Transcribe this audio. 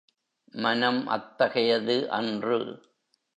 மனம் அத்தகையது அன்று.